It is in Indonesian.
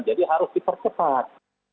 jadi harus dipercepat